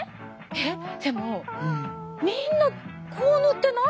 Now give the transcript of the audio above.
えっでもみんなこう塗ってない？